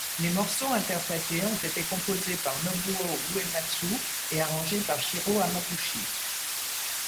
Les morceaux interprétés ont été composés par Nobuo Uematsu et arrangé par Shiro Hamaguchi.